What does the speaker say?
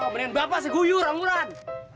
menyembah pas gue orang orang